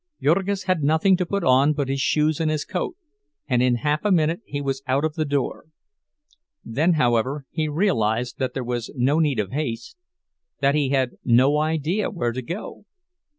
Jurgis had nothing to put on but his shoes and his coat, and in half a minute he was out of the door. Then, however, he realized that there was no need of haste, that he had no idea where to go.